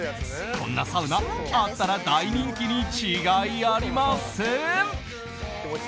こんなサウナあったら大人気に違いありません。